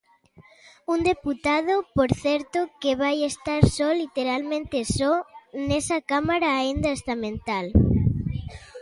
Un deputado, por certo, que vai estar só, literalmente só, nesa Cámara aínda estamental.